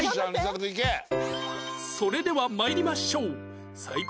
それでは参りましょう